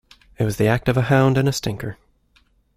It was the act of a hound and a stinker.